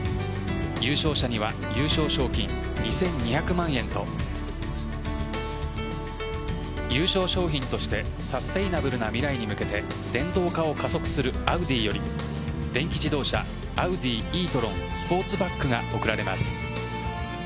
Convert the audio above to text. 優勝者には優勝賞金２２００万円と優勝賞品としてサステイナブルな未来に向けて電動化を加速するアウディより電気自動車Ａｕｄｉｅ‐ｔｒｏｎＳｐｏｒｔｂａｃｋが贈られます。